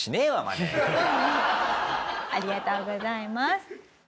ありがとうございます。